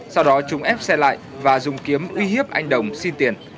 sau đó chúng ép xe lại và dùng kiếm uy hiếp anh đồng xin tiền